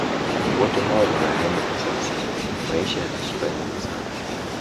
Wote hawa ni marehemu kwa sasa Maisha yana sura nyingi sana